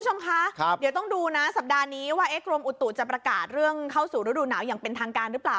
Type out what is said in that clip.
คุณผู้ชมคะเดี๋ยวต้องดูนะสัปดาห์นี้ว่ากรมอุตุจะประกาศเรื่องเข้าสู่ฤดูหนาวอย่างเป็นทางการหรือเปล่า